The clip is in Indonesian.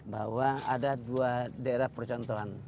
bahwa ada dua daerah percontohan